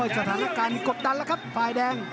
สถานการณ์กดดันแล้วครับฝ่ายแดง